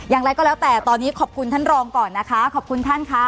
อย่างไรก็แล้วแต่ตอนนี้ขอบคุณท่านรองก่อนนะคะขอบคุณท่านค่ะ